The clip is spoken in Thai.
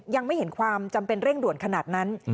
ยังไม่เห็นความจำเป็นเร่งด่วนขนาดนั้น